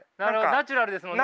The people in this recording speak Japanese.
ナチュラルですもんね。